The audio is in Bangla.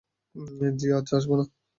জ্বি আচ্ছা, আসব না।